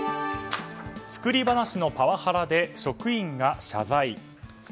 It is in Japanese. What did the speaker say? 作り話のパワハラで職員が謝罪。